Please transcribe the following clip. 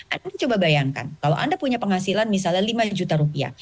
anda coba bayangkan kalau anda punya penghasilan misalnya lima juta rupiah